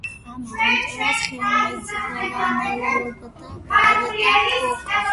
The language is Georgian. ამ აჯანყებას ხელმძღვანელობდა ბარდა ფოკა.